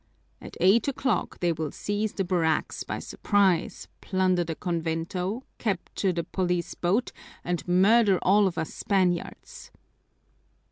At eight o'clock they will seize the barracks by surprise, plunder the convento, capture the police boat, and murder all of us Spaniards."